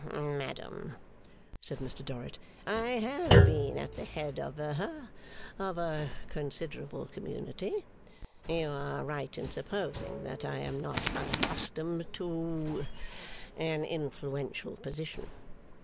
'Hum madam,' said Mr Dorrit, 'I have been at the head of ha of a considerable community. You are right in supposing that I am not unaccustomed to an influential position.